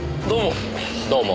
どうも。